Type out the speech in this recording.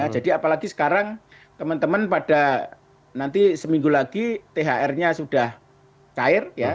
jadi apalagi sekarang teman teman pada nanti seminggu lagi thr nya sudah cair